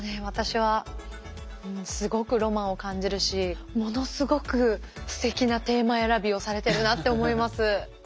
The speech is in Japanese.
私はすごくロマンを感じるしものすごくすてきなテーマ選びをされてるなって思います。